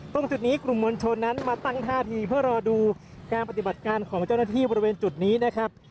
ตรงจุดนี้กลุ่มมวลชนนั้นมาตั้งท่าทีเพื่อรอดูการปฏิบัติการของเจ้าหน้าที่บริเวณจุดนี้นะครับ